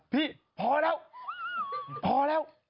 พี่พอแล้วพอแล้ว